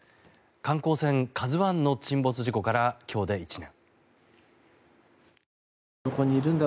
観光船「ＫＡＺＵ１」の沈没事故から今日で１年。